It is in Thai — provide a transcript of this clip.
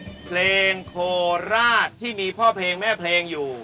เพลงโคราชที่มีพ่อเพลงแม่เพลงอยู่